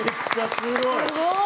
すごい。